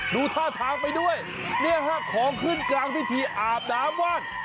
ดูท่าทางไปด้วยของขึ้นกลางพิธีอาบดามวาด